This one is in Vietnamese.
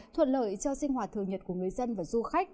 thuận lợi cho sinh hoạt thường nhật của người dân và du khách